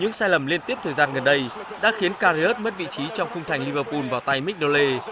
những sai lầm liên tiếp thời gian gần đây đã khiến carriot mất vị trí trong khung thành liverpool vào tay mick dole